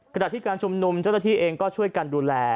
ขณะที่การชุมนุมเจ้าหน้าที่เองก็ช่วยกันดูแล